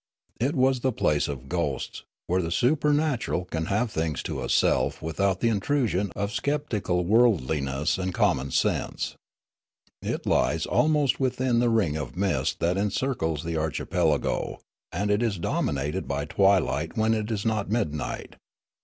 It was the place of ghosts, where the supernatural can have things to itself without the intrusion of sceptical worldliness and common sense. It lies almost within the ring of mist that encircles the archipelago, and it is dominated by twilight when it is not midnight.